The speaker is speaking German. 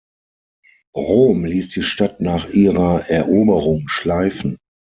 Rom ließ die Stadt nach ihrer Eroberung schleifen.